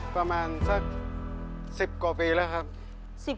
ประมาณสัก๑๐กว่าปีแล้วครับ